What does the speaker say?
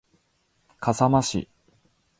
笠間市